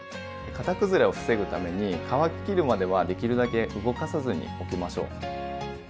型崩れを防ぐために乾ききるまではできるだけ動かさずにおきましょう。